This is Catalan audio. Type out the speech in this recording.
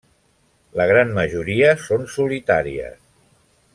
La gran majoria són solitàries.